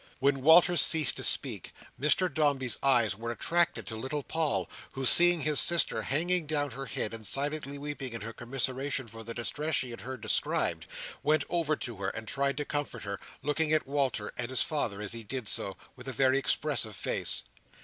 When Walter ceased to speak, Mr Dombey's eyes were attracted to little Paul, who, seeing his sister hanging down her head and silently weeping in her commiseration for the distress she had heard described, went over to her, and tried to comfort her: looking at Walter and his father as he did so, with a very expressive face.